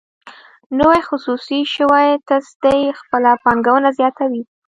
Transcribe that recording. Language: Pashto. نوې خصوصي شوې تصدۍ خپله پانګونه زیاتوي.